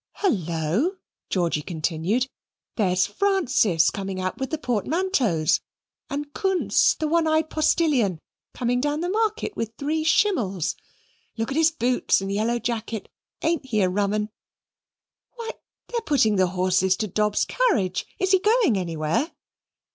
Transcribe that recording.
"Hullo!" Georgy continued, "there's Francis coming out with the portmanteaus, and Kunz, the one eyed postilion, coming down the market with three schimmels. Look at his boots and yellow jacket ain't he a rum one? Why they're putting the horses to Dob's carriage. Is he going anywhere?"